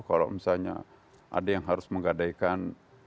kalau misalnya ada yang harus menggadaikan